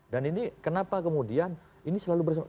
dan ini kenapa kemudian ini selalu bersebar